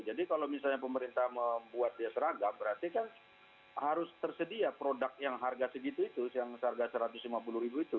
jadi kalau misalnya pemerintah membuat dia seragam berarti kan harus tersedia produk yang harga segitu itu yang harga rp satu ratus lima puluh itu